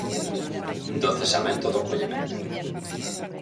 Do cesamento do acollemento